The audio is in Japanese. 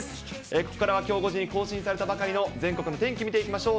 ここからはきょう５時更新されたばかりの全国の天気見ていきましょう。